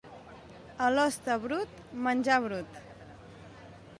A l'hoste brut, menjar brut.